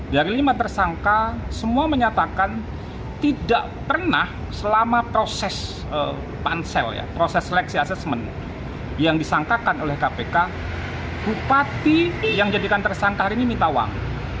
dari lima tersangka semua menyatakan tidak pernah selama proses pansel ya proses seleksi asesmen yang disangkakan oleh kpk bupati yang jadikan tersangka hari ini minta uang